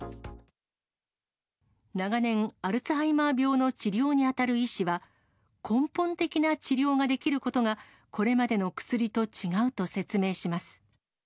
長年、アルツハイマー病の治療に当たる医師は、根本的な治療ができることが、これまでの薬と違うと説明します。